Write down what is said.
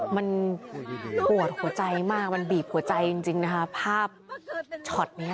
มันปวดหัวใจมากมันบีบหัวใจจริงนะคะภาพช็อตเนี้ย